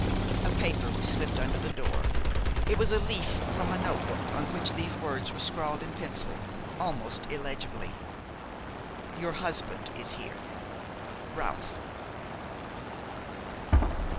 A paper was slipped under the door. It was a leaf from a note book on which these words were scrawled in pencil, almost illegibly: "Your husband is here. "RALPH."